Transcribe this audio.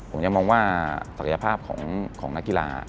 ผมจะมองว่าศักยภาพของนักกีฬา